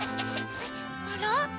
あら？